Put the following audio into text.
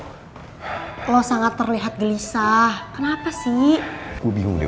erik sangat terlihat gelisah